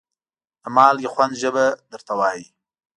د مالګې خوند ژبه درته وایي.